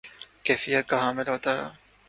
کیفیت کا حامل ہوتا ہے